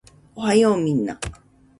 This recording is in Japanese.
おはようみんな